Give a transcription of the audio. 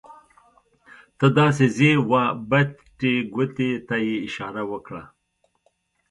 ته داسې ځې وه بټې ګوتې ته یې اشاره وکړه.